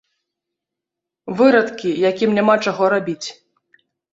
Вырадкі, якім няма чаго рабіць.